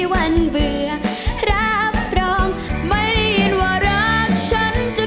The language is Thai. สามาราฝัน